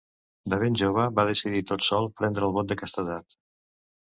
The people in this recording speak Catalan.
De ben jove, va decidir tot sol prendre el vot de castedat.